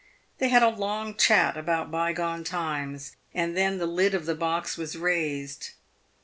They had a long chat about bygone times, and then the lid of the box was raised.